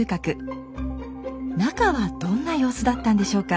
中はどんな様子だったんでしょうか。